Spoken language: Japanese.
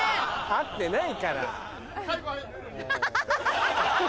合ってないから。